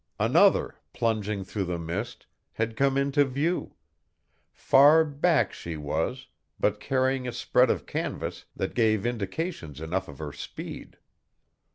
Another, plunging through the mist, had come into view; far back she was, but carrying a spread of canvas that gave indications enough of her speed.